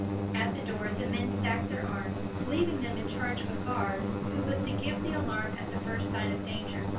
At the door the men stacked their arms, leaving them in charge of a guard, who was to give the alarm at the first sign of danger.